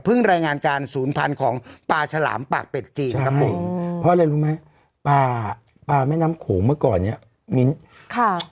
รายงานการศูนย์พันธุ์ของปลาฉลามปากเป็ดจีนนะครับผมเพราะอะไรรู้ไหมปลาปลาแม่น้ำโขงเมื่อก่อนเนี้ยมิ้นค่ะ